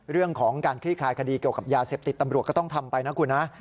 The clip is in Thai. เรื่องของการคลี่คลายคดีเกี่ยวกับยาเสพติดตำรวจก็ต้องทำไปนะคุณนะ